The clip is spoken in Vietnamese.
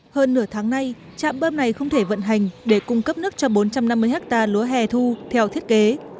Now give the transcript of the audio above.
hơn nửa tháng nay chạm bơm này không thể vận hành để cung cấp nước cho bốn trăm năm mươi hectare lúa hẻ thu theo thiết kế